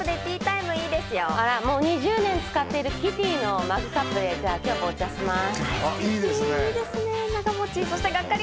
２０年使ってるキティのマグカップで今日もお茶します。